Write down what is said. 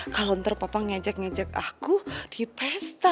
kalau ntar papa ngejek ngajak aku di pesta